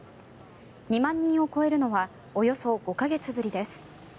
２万人を超えるのはおよそ５か月ぶりです。